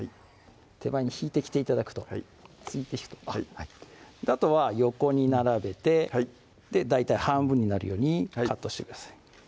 手前に引いてきて頂くと突いて引くあとは横に並べて大体半分になるようにカットしてください